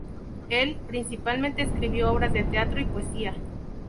Él principalmente escribió obras de teatro y poesía.